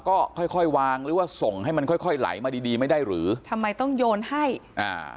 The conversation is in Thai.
ก็ค่อยค่อยวางหรือว่าส่งให้มันค่อยค่อยไหลมาดีดีไม่ได้หรือทำไมต้องโยนให้อ่า